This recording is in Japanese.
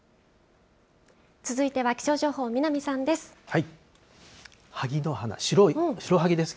続いては気象情報、南さんです。